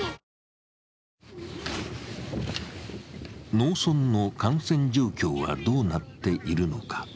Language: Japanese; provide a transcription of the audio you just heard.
農村の感染状況はどうなっているのか。